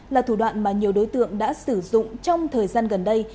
là thủ đoạn mà nhiều đối tượng đã sử dụng trong thời gian gần đây